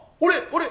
あれ？